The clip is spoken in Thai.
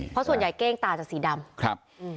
เพราะส่วนใหญ่เก้งตาจะสีดำ